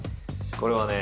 これはね